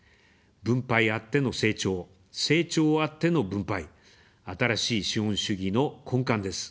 分配あっての成長、成長あっての分配、「新しい資本主義」の根幹です。